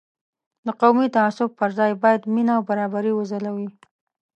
د قومي تعصب پر ځای باید مینه او برابري وځلوي.